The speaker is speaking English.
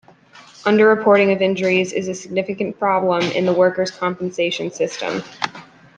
Underreporting of injuries is a significant problem in the workers' compensation system.